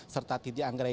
serta tidja anggra ini